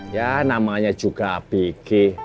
ya namanya juga pikir